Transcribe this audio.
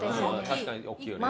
確かに大きいよね。